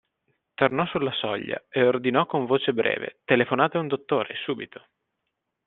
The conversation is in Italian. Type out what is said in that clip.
Tornò sulla soglia e ordinò con voce breve: Telefonate a un dottore, subito.